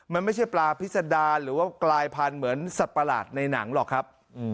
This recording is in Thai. มันไม่ใช่ปลาพิษดารหรือว่ากลายพันธุ์เหมือนสัตว์ประหลาดในหนังหรอกครับ